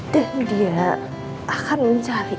dan dia akan mencari